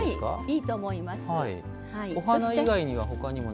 いいと思います。